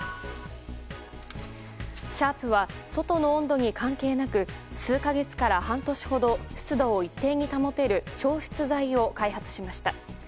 シャープは外の温度に関係なく数か月から半年ほど湿度を一定に保てる調湿材を開発しました。